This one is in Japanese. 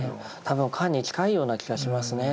多分「観」に近いような気がしますね。